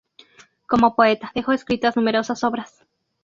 Como poeta, dejó escritas numerosas obras.